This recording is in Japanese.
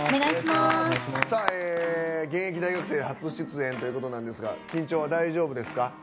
現役大学生で初出演ということですが緊張は大丈夫ですか？